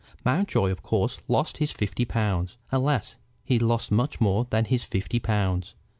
Mountjoy of course lost his fifty pounds. Alas! he lost much more than his fifty pounds.